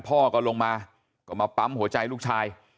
พ่อก็ลงมาก็มาปั๊มหัวใจลูกชาย